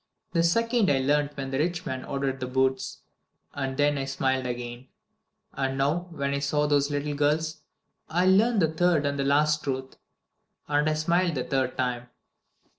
The second I learnt when the rich man ordered the boots, and then I smiled again. And now, when I saw those little girls, I learn the third and last truth, and I smiled the third time."